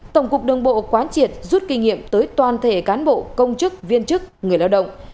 tổng cục đường bộ quán triệt rút kinh nghiệm tới toàn thể cán bộ công chức viên chức người lao động